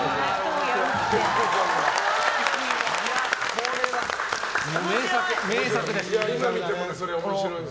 これは名作です。